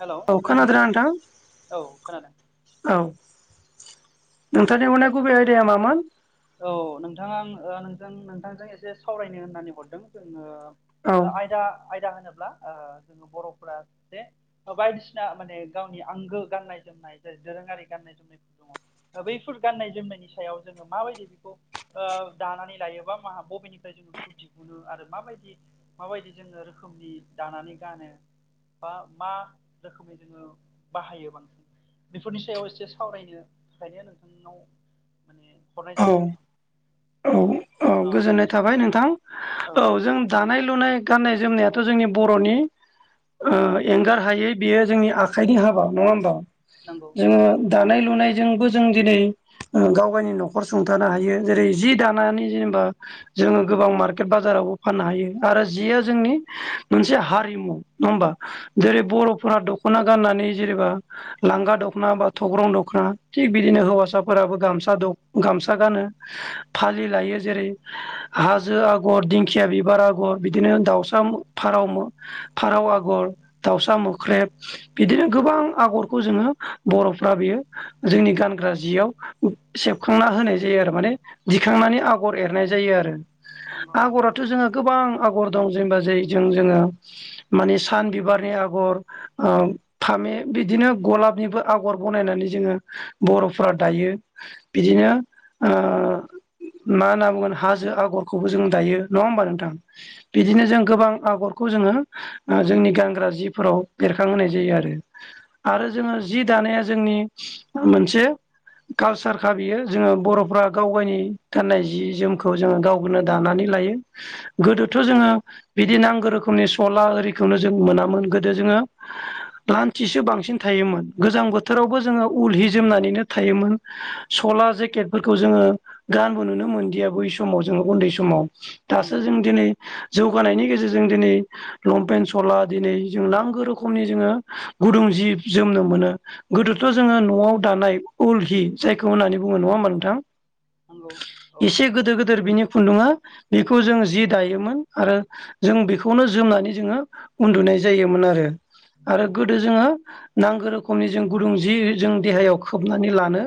हेल' औ खोनादोंनाा खोनादोंना नोंथां औ खोनादों औ नोंथांनि हरनायनि गुबै आयदाया मामोन औ नोंथाङा आं नों नोंथांजों एसे सावरायनो होननानै हरदों औ ओ आयदा आयदा होनो। ब्ला ओ बर'फोरा [unintelligible] बायदिसिना माने गावनि आंगो गाननाय जोमनाय जेरै दोरोङारि गाननाय जोमनायफोर दङ बैफोर गान्नाय जोमनायनि सायाव जोङो माबायदि जिखौ ओ दानानै लायोबा मा बबेनिफ्राय जों बेखौ दि हुनो आरो माबायदि माबायदि जोङो रोखोमनि दानानै गानो। बा मा रोखोमै जोङो बाहायो बांसिन बेफोरनि सायाव एसे सावरायनो थाखायनो नोंथांनाव माने हरनाय औ जादों आरो। औ औ गोजोननाय थाबाय नोंथां औ जों दानाय लुनाय गाननाय जोमनायाथ' जोंनि बर'नि ओ एंगार हायै बेयो जोंनि आखाइनि हाबा नङा होमबा नंगौ जोङो दानाय लुनायजोंबो जों दिनै गाव गावनि न'खर सुंथानो हायो जेरै जि दानानै जेनेबा जोङो गोबां मार्केट बाजारावबो फाननो हायो आरो जिया जोंनि मोनसे हारिमु नङा होमबा जेरै नंगौ बर'फोरा द दख'ना गाननानै जेनेबा लांगा दखना बा थग्रं दख'ना थिग बिदिनो हौवासाफोराबो गामस गामसा द गामसा गानो। फालि लायो जेरै हाजो आगर दिंखिया बिबार आगर बिदिनो दाउसा मो फा फार फारौ आगर दाउसा उम मोख्रेब नंगौ बिदिनो गोबां आगरखौ जोङो बर'फ्रा बेयो जोंनि गानग्रा जियाव सेबखांना होनाय जायो आरो माने दिखांनानै आगर एरनाय जायो आरो नंगौ आगराथ' जोङो गोबां आगर दं जेनबा ज जों जोङो मानि सान बिबारनि आगर ओ बिदिनो गलाबनिबो आगर बनायनानै जोङो बर'फ दायो बिदिनो ओ [inaudible] मा होनना बुंगोन हाजो आगरखौबो जों दायो नङा ओमबा नोंथां बिदिनो जों गोबां आगरखौ जों जोंनि गानग्रा जिफोराव बेरखांहोनाय जायो आरो जोङो जि दानाया जोंनि मोनसे कालसारखा बियो जोङो बर'फ्रा गाव गायनि गाननाय जि जोमखौ जोङो गावनो दानानै लायो गोदोथ' जोङो बिदि नांगौ रोखोमनि सला आरिखौनो जों मोनामोन गोदो जोङो लान्थिसो बांसिन थायोमोन गोजां उम बोथोरावबो जोङो उल हि जोमनानैनो थायोमोन। सला जेकेटफोरखौ जोङो गानबोनो नो मोनदिया बै समाव जोङो उन्दै समाव। दासो नंगौ जों दिनै जौ जौगानायनि गेजेरजों दिनै लंपेनट सला दिनै जों नांगौ रोखमनि जोङो गुदुं जि जोमनो मोनो गोदोथ' जोङो न'आव दानाय उल हि जायखौ होननानै बुङो नङा ओमबा नोंथां? नंगौ औ एसे गोदोर गोदोर बिनि खुन्दुंङा बेखौ जों जि दायोमोन आरो जों बेखौनो जोमनानै जोङो उन्दुनाय जायोमोन आरो आरो गोदो जोङो नांगो रोखोम गुदुं जि जों देहायाव खोबनानै लानो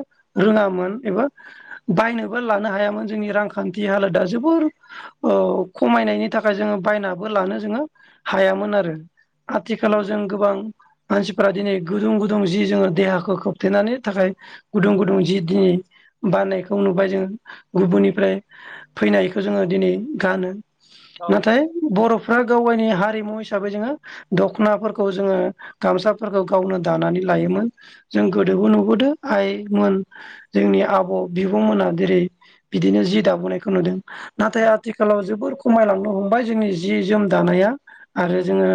रोङामोन एबा बायनो लानो हायामोन जों रांखान्थि हालोदा जोबोर ओ खमायनायनि थाखाय जों बायना लानो जोङो हायामोन आरो आथिखालाव नंगौ जों गोबां मानसिफोरा दिनै गुदुं गुदुं जि जोङो देहाखौ खोबथेनानै थाखाय गुदुं गुदुं जि दिनै बानायखौ नुबाय जोंङो। गुबुननिफ्राय फैनायखो जोङो दिनै गानो औ नाथाय बर' फ्रा गाव गावनि हारिमु हिसाबै जोङो दख'नाफोरखौ जोङो गामसाफोरखौ गावनो दानानै लायोमोन जों गोदोबो नुबोदो आइमोन जोंनि आब' बिब'मोना जेरै बिदिनो जि दाबोनायखौ नुदों औ नाथाय आथिखालाव जोबोर खमायलांनो हमबाय जोंनि जि जोम दानाया आरो नंगौ जोङो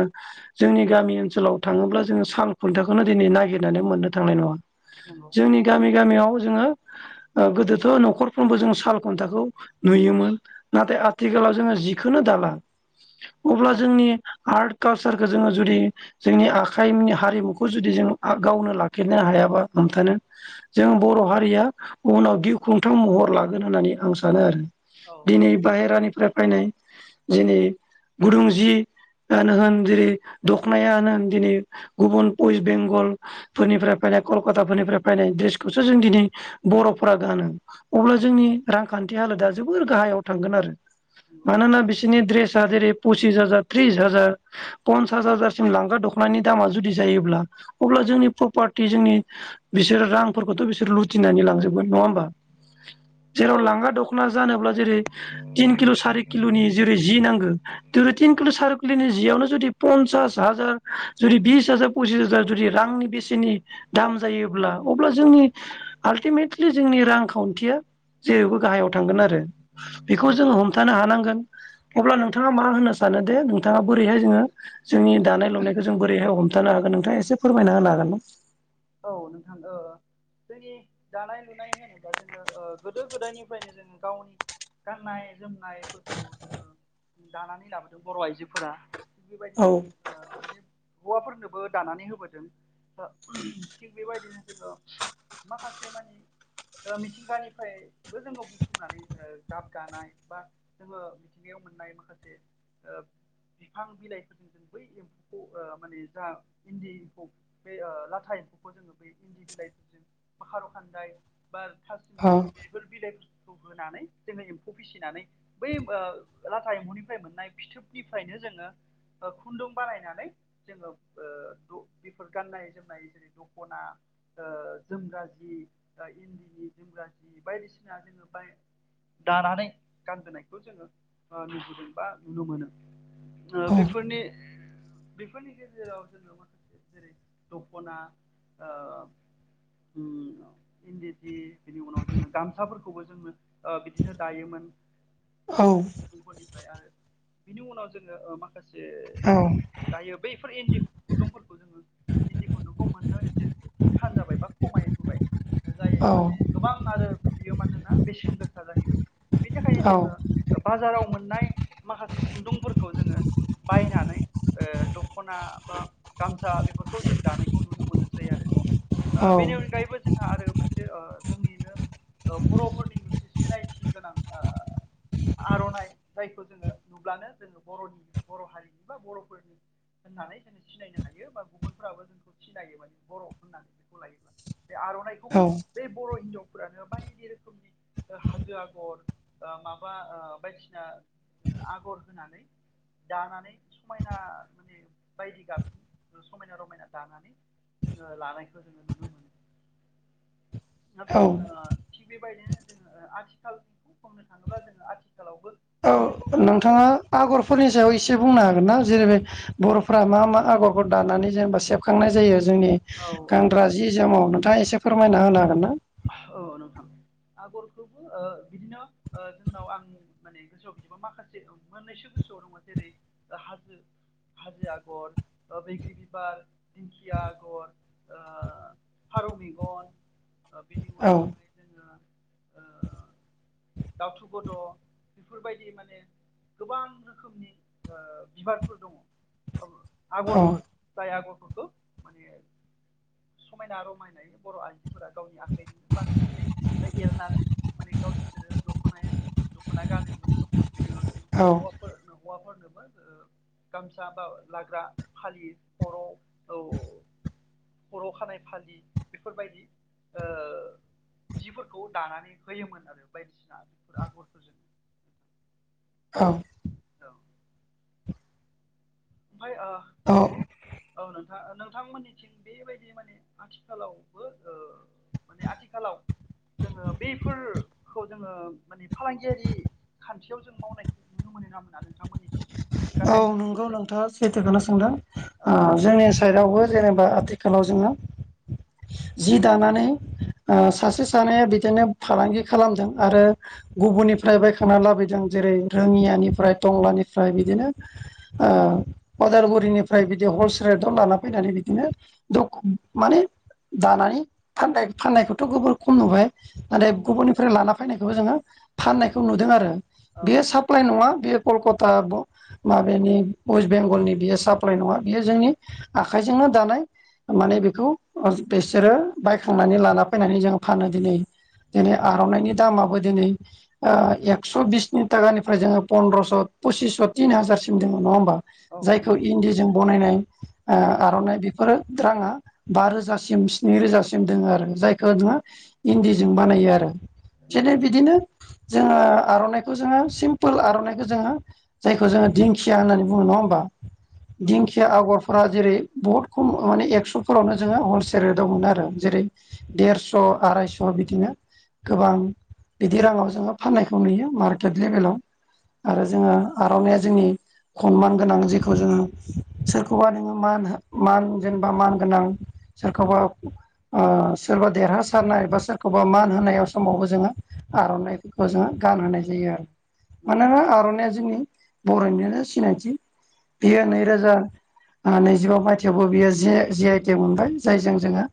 जोंनि गामि ओनसोल ओनसोलाव थाङोब्ला जोङो सान खुन्थाखौनो दिनै नागिरनानै मोननो थांनाय नङा। नंगौ जोंनि गामि गामियाव जोङो ओ गोदोथ' न'खर फ्रोमबो जों साल खुन्थाखौ नुयोमोन नाथाय आथिखालाव जोङो जिखौनो दाला। [inaudible] अब्ला जोंनि आर्ट कालसारखौ जोङो जुदि जोंनि आखाइनि हारिमुखौ जुदि जों गावनो लाखिनो हायाबा हमथानो जों बर' हारिया उनाव गिख्रंथाव महर लागोन होननानै आं सानो आरो औ दिनै नंगौ बाहेरानिफ्राय फायनाय दिनै गुदुं जि होन होन जेरै दख'नायानो होन दिनै गुबुन वेस्ट बेंगल फोरनिफ्राय फाय नाय कलकाताफोरनिफ्राय फैनाय द्रेसखौसो जों दिनै बर'फोरा गानो अब्ला औ जोंनि रांखान्थि हालोदा जोबोर गाहायाव थांगोन आरो नंगौ मानोना बिसोरनि द्रेस दा जेरै पसिस हाजार त्रिस हाजार पन्सास हाजारसिम लांगा दख'नानि दामा जुदि जायोब्ला अब्ला जोंनि प्रपार्टि जोंनि बिसोरो रांफोरखौथ' बिसोर लुथिनानै लांजोबगोन नङा होमबा जेराव औ लांगा दख'ना जानोब्ला जेरै तिन किल' सारि किल'नि जेरै जि नांगौ तिनिल सारखौ सलिनि जियावनो जुदि पन्सास हाजार जुदि बिस हाजार पसिस हाजार जुदि रांनि बेसेनि दाम जायोब्ला अब्ला जोंनि आल्टिमेटलि जोंनि रांखावथि या जेरैबो गाहायाव थांगोन आरो बेखौ औ जोङो हमथानो हानांगोन अब्ला नोंथाङा मा होनो सानो दे नोंथाङा बोरैहाय जोङो जोंनि दानाय लुनायखौ जों बोरैहाय थानो हागोन नोंथाङा एसे फोरमायना होनो हागोन ना औ नोंथां ओ जोंनि दानाय लुनाय होनोबा जोङो गोदो ओ गोदायनिफ्रायनो जोङो गावनि गाननाय जोमनायफोरखौ जोङो दानानै लाबोदों बर' आइजोफोरा थिग औ बेबायदिनो जोङ माने हौवाफोरनोबो दानानै होबोदों थिग बेबायदिनो जोङो माखासे मानि मिथिंगानिफ्रायबो जोङो बुथुमनानै गाबगानाय बा जोङो मिथिंगायाव मोननाय माखासे ओ बिफां बिलाइफोरजों जों बै एम्फौखौ माने जा इन्दि एम्फौ बे ओ लाथा एम्फौखौ जोङो ब इन्दि बिलाइफोरजों ब खार' खान्दाय बा थासमनि बेफोर बिलाइफोर होनानै जोङो एम्फौ फिसिनानै बै ओ लाथा एम्फौनिफ्राय मोननाय फिथोबनिफ्रायनो [unintelligible] खुन्दुं बानायनानै जोङो बेफोर गान्नाय जोमनाय जेरै द खना जोमग्रााज जि इन्दिनि जोमग्रााजि बायदिसिना जोङो बाय दानानै गानजेनायखौ जोङो लुबोैदों बा नुनो मोनो। औ बेफोरनि बेफोरनि गेजेराव जोङो माखासे जेरै दखना ओ उम इन्दि जि बिनि उनाव जोंनो गामसाफोरखौबो जोंनो बिदिनो दायोमोन औ माखासे सुबुंफोरनिफ्राय आरो बिनि उनाव जोङो माखा माखासे औ दायो बैफोर इन्दि खुन्दुंफोरखौ जोङो इन्दि खुन्दुंखौ मोननो एसे थान जाबाय बा खमायबोबाय जाय माने गोबां आरो बियो मानोना बेसेन गोसा जाहैबाय बिनि थाखायनो जोङो औ बाजाराव मोन नाय माखासे खुन्दुंफोरखौ जोङो बायनानै ओ दख'ना बा गामसा बेफोरखौ जों दानायखौ नुनो मोनोसै आरो बेनि अनगायैबो जोंहा आरो मोनसे ओ जोंनिनो बर'फोरनि मोनसे सिनायथि गोनां आर'नाइ जायखौ जोङो नुब्लानो जोङो बर'नि बर' हारिनि बा बर'फोरनि होननानै जोंङो सिनायनो हायो बा गुबुनफोराबो जोंखौ सिनायो मोन आर'नाइखौबो औ बे बर' हिनजाव फोरानो बायदि रोखोमनि हाजो आगर माबा ओ बायदिना आगर होनानै दानानै समायना माने बायदि गाब समायना रमायना दानानै जोङो लानायखौ जोङो नुनो मोनो द बे औ थिग बेबायदिनो जोङो आथिखालखौ बुंनो थाङोब्ला जोङो आथिखालावबो औ नुयो नोंथाङा आगरफोरनि सायाव एसे बुंनो आरोना जेरै बे बर'फ्रा मा मा आगरखौ दानानै जेनेबा सेबखांनाय जायो। जोंनि ओ औ गानग्रा जि जोमाव नोंथाङा एसे फोरमायना होनो हागोन ना [unintelligible] औ नोंखां आगरखौबो बिदिनोओ जोंनाव आं माने गोसोआव बिदिबा माखासे मोननैसो गोसोआव दङ जेरै हाजो हाजो आगर बैग्रि बिबार दिंखिया आगर फारौ मेगन बिनि औ उनावहाय जोङो दावथु बद' बेफोरबायदि माने गोबां रोखोमनि बिबारफोर दङ। औ आगरफोर जाय आगर फोरखो माने समायना रमायनाय बर' आइजो गावनि आखायजों बानायनानै एनानै माने गावजोंनो दखनायाव गानोमोन भिडिय'ल' जों औ हौवाफोर हौवाफोरनो गामसा बा लाग्रा फालि खर' खर' खानाय फालि बेफोरबायदि ओ जिफोरखौ दानानै होयोमोन आरो बायदिसिना बेफोर आगरखौ जों। औ ओमफ्राय औ ओ औ नों नोंथांमोननिथिं बेबायदि माने आथिखालावबो ओ मानि आथिखालाव जोङो बफोरखौ जोङो माने फालांगियारि खान्थियाव जों मावनायखौ नुनो मोनो। मोना नोंथांमोननिथिं दि गाननाय जोमनायनि बेलायाव थाङा सैथो खौनो सोंदों औ जोंनि साइदआवबो जेनेबा आथिखालाव जोङो जि दानानै ओ सासे सानैया बिदिनो फालांगि खालामदों आरो गुबुननिफ्राय बायखांना लाबोदों जेरै नोंथां रोङियानिफ्राय टंलानिफ्राय बिदिनो उदालगुरिनिफ्राय बिदि हलसेल रेटआव लाना फैनानै बिदिनोख माने दानानै फान फाननायखौथ' गोबोर खम नुबाय। औ नाथाय गुबुननिफ्राय लाना फैनायखौबो जोङो फाननायखौ नुदों आरो औ बेयो साप्लाइ नङा। बि कलकता ब माबेनि वेस्ट बेंगलनि बियो साप्लाइ नङा बेयो जोंनि आखाइजोंनो दानाय माने बेखौ बिसोरो बायखांनानै लाना फैनानै जों फानो दिनै दिनै आर'नाइनि दामाबो दिनै एक्स' बिसनि थाखानिफ्राय जोङो पन्द्रस' पसिस' तिन हाजार सिम दङ नङा होमबा औ जायखौ नंगौ इन्दिजों बनायनाय ओ नंगौ आर'नाइ बेफोरो राङा बा रोजासिम स्नि रोजासिम दङ आरो जायखौ औ दङो इन्दि जों बानायो आरो बिनो नंगौ बिदिनो जोङो आर'नाइखौ जोङो सिमपोल आर'नाइखौ जोङो जायखौ जोङो दिंखिया होननानै बुङो नङा होमबा। नंगौ दिंखिया आग'रफोरा जेरै बुहुत खम माने एकस' फोरावनो जोङो हलसेल रेटाव मोनो आरो जेरै देरस' आरायस' बिदिनो गोबां बिदि राङाव जोङो फाननायखौ नुयो मार्केट लेभेलाव। आरो औ जोङो आर'नाइया जोंनि सनमान गोनां जेखौ जोङो सोरखौबा नोङो मान मान जेनेबा मान गोनां सोरखौबा ओ सोरबा देरहासारनाय बा सोरखौबा मान होनाय समावबो जोङो आर'नाइफोरखौ जोङो गानहोनाय जायो आरो नंगौ मानोना आर'नाइया जोंनि बर'निनो सिनायथि। बियो औ नैरोजा नैजिबा मायथायाइयावबो बियो जि आइ टि मोनबाय जायजों जोङो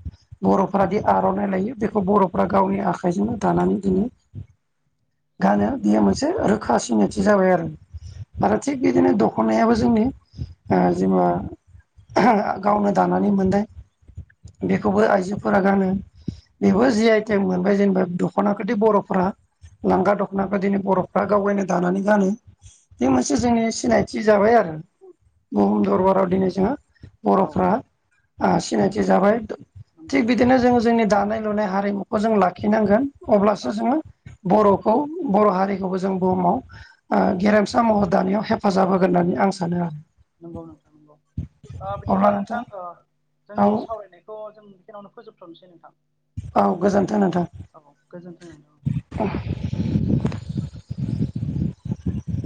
बर'फोरााद आर'नाइ लायो बेखौ बर'फ्रा गावनि आखाइजोंनो दानानै दिनै गानो नंगौ बियो मोनसे रोखा सिनायथि जाबाय आरो। औ आरो थिग बिदिनो दख'नायाबो जोंनि जेनेबा गावनो दानानै मोनदों बेखौबो आइजोफोरा गानो। बेबो जि आइटेम मोनबाय जेनेबा दख'नाखौदि बर'फ्रा लांगा दख'नाफोर दिदिनो बर'फ्रा गावगायनो दानानै गानो बे मोनस से जोंनि सिनायथि जाबाय आरो बुहुम दरबाराव दिनै जोंङो औ बर'फ्रा ओ सिनायथि जाबाय नंगौ थिग बिदिनो जोङो जोंनि दानाय लुनाय हारिमुखौ जों लाखिनांगोन अब्लासो औ जोङो बर'खौ बर' हारिखौबो जों बुहुमाव ओ गेरेमसा महर दानायाव हेफाजाब होगोन होननानै आं सानो आरो। नंगौ नोंथां नंगौ। ओ बिदिब्ला नोंथां ओ औ जोंनि सावरायनायखौ जों बेखिनियावनो फोजोबथ'नसै नोंथां। औ गोजोन्थों नोंथां। औ गोजोन्थों नोंथां।